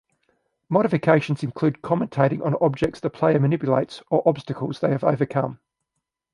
Modifications include commentating on objects the player manipulates or obstacles they have overcome.